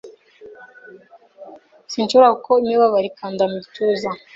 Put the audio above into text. Sinshobora kuko imibabaro ikanda mu gituza